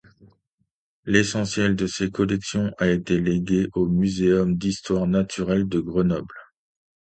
L'essentiel de ses collections a été légué au Muséum d'histoire naturelle de Grenoble.